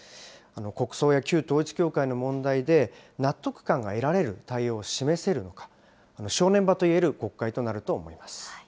国葬や旧統一教会の問題で、納得感が得られる対応を示せるのか、正念場と言える国会となると思います。